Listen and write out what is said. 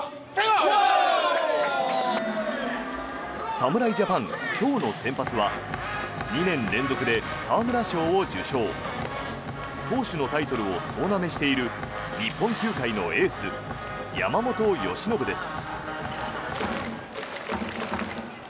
侍ジャパン、今日の先発は２年連続で沢村賞を受賞投手のタイトルを総なめしている日本球界のエース山本由伸です。